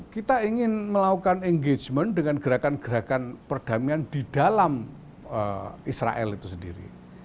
kita ingin melakukan engagement dengan gerakan gerakan perdamaian di dalam israel itu sendiri